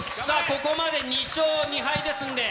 ここまで２勝２敗ですんで。